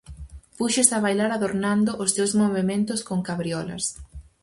Púxose a bailar adornando os seus movementos con cabriolas.